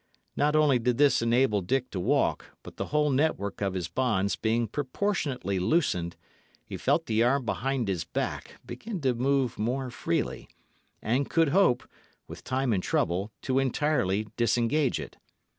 Not only did this enable Dick to walk; but the whole network of his bonds being proportionately loosened, he felt the arm behind his back begin to move more freely, and could hope, with time and trouble, to entirely disengage it.